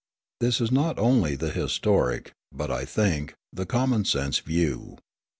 This is not only the historic, but, I think, the common sense view.